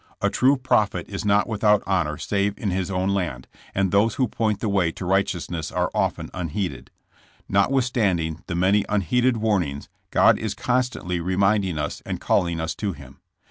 A true prophet is not without honor save in his own land, and those who point the way to righteousness are often unheeded. Notwithstanding the many un heeded warnings, God is constantly reminding us and calling us to Him.